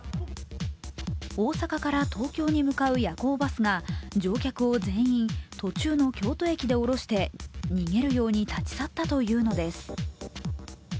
大阪から東京に向かう夜行バスが、乗客を全員途中の京都駅で降ろして逃げるように立ち去ったというのです。